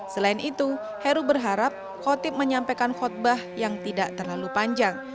selain itu heru berharap khotib menyampaikan khutbah yang tidak terlalu panjang